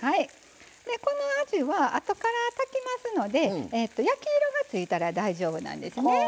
このあじはあとから炊きますので焼き色がついたら大丈夫なんですね。は。